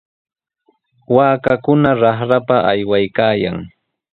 Waakakuna raqrapa aywaykaayan.